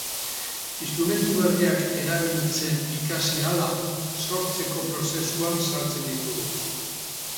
Instrumentu berriak erabiltzen ikasi ahala, sortzeko prozesuan sartzen ditugu.